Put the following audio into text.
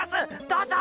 どうぞ。